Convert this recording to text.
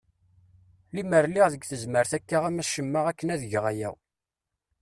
Lemer lliɣ deg tezmert akka am acemma akken ad egeɣ aya.